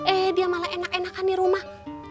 eh dia malah enak enakan di rumah